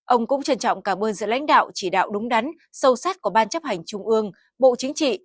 ông cũng trân trọng cảm ơn sự lãnh đạo chỉ đạo đúng đắn sâu sát của ban chấp hành trung ương bộ chính trị